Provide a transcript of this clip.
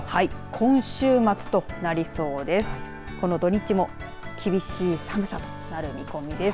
今週末となりそうです。